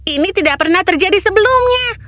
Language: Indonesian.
ini tidak pernah terjadi sebelumnya